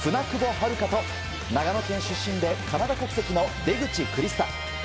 遥香と長野県出身でカナダ国籍の出口クリスタ。